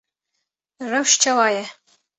Rewş çawa ye?